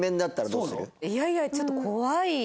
いやいやちょっと怖い。